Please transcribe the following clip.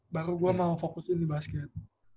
baru gue mau fokusin di basket